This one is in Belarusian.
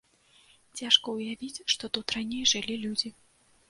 Цяжка ўявіць, што тут раней жылі людзі.